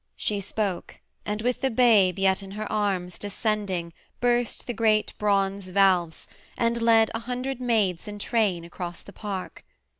She spoke, and with the babe yet in her arms, Descending, burst the great bronze valves, and led A hundred maids in train across the Park.